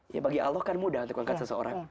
ya bagi allah kan mudah untuk mengangkat seseorang